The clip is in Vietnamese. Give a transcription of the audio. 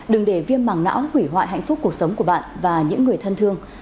đừng để viêm mảng não hủy hoại hạnh phúc cuộc sống của bạn và những người thân thương